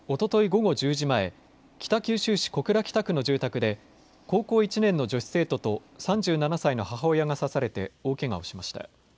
午後１０時前、北九州市小倉北区の住宅で高校１年の女子生徒と３７歳の母親が刺されて大けがをしました。